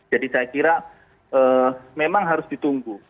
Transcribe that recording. jadi saya kira memang harus ditunggu